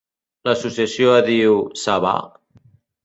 L'associació Adiu, Ça Va?